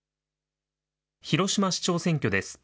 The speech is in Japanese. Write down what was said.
広島市長選挙です。